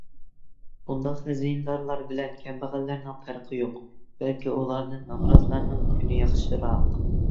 بۇنداق خەزىنىدارلار بىلەن كەمبەغەللەرنىڭ پەرقى يوق. بەلكى ئۇلاردىن نامراتلارنىڭ كۈنى ياخشىراق.